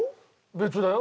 別だよ。